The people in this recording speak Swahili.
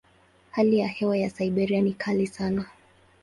Hali ya hewa ya Siberia ni kali sana.